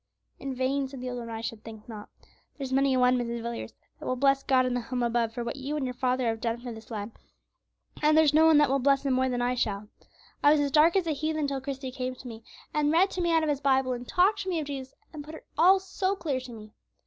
"In vain!" said the old woman; "I should think not! There's many a one, Mrs. Villiers, that will bless God in the home above for what you and your father have done for this lad; and there's no one that will bless Him more than I shall. I was as dark as a heathen till Christie came to me, and read to me out of his Bible, and talked to me of Jesus, and put it all so clear to me.